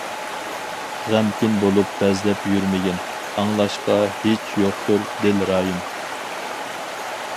غەمكىن بولۇپ بەزلەپ يۈرمىگىن، ئاڭلاشقا ھېچ يوقتۇر دىل رايىم.